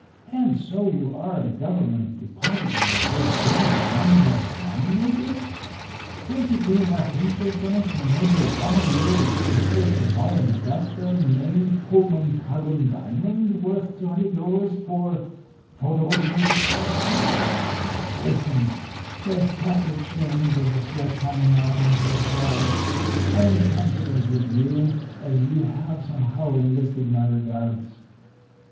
'And so you are the government depository of this gang of moneyless money makers? Don't you pay enough interest on it to enable one of your depositors to buy an Augusta (Maine) Pullman carbon diamond worth $200 for $4.85?' "'Listen,' says Patrick Shane, with the sweat coming out on his brow. 'I'm confidant with you, as you have, somehow, enlisted my regards.